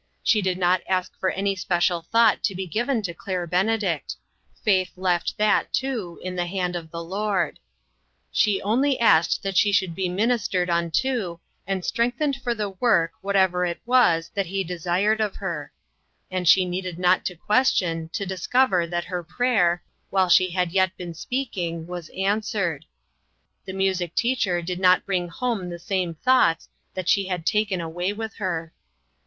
She did not ask for any special thought to be given to Claire Bene dict; faith left that, too, in the hand of the Lord. She only asked that she should be 92 INTERRUPTED. ministered unto, and strengthened for the work, whatever it was that he desired of her. And she needed not to question, to discover that her prayer, while she had yet been speaking, was answered. The mu. ic teacher did not bring home the same thoughts that she had taken away with her.